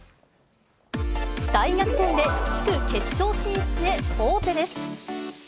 大逆転で地区決勝進出へ王手です。